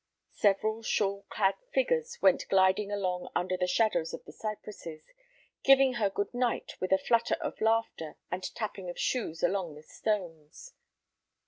Several shawl clad figures went gliding along under the shadows of the cypresses, giving her good night with a flutter of laughter and tapping of shoes along the stones.